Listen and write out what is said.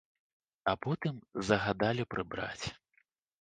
А потым загадалі прыбраць.